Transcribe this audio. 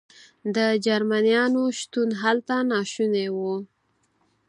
د جرمنیانو شتون هلته ناشونی و.